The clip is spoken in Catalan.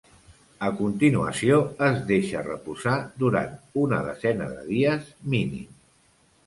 A continuació es deixa reposar durant una desena de dies mínim.